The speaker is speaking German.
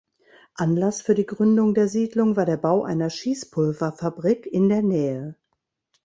Anlass für die Gründung der Siedlung war der Bau einer Schießpulver-Fabrik in der Nähe.